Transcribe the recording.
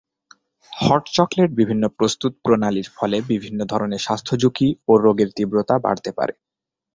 Hot chocolate বিভিন্ন প্রস্তুত প্রণালীর ফলে বিভিন্ন ধরনের স্বাস্থ্য ঝুঁকি ও রোগের তীব্রতা বাড়তে পারে।